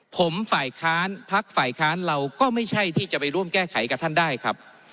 ผมฝ่ายค้านพักฝ่ายค้านเราก็ไม่ใช่ที่จะไปร่วมแก้ไขกับท่านได้ครับ